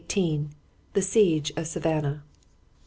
THE SIEGE OF SAVANNAH.